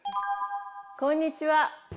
こんにちは。